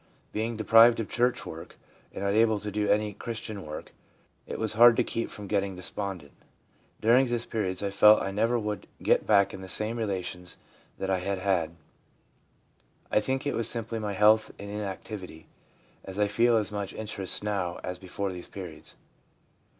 Being deprived of church work, and unable to do any active Christian work, it was hard to keep from getting despondent. During these periods I felt I never would get back in the same relations that I had had. I think it was simply my health and inactivity, as I feel as much interest now as before these periods.'